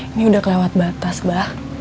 ini udah kelewat batas mbak